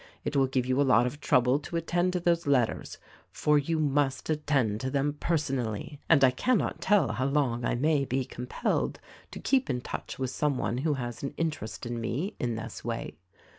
It will give you a lot of trouble to attend to those letters ; for you must attend to them personally, and I cannot tell how long I may be compelled to keep in touch with some one who has an inter est in me, in this way.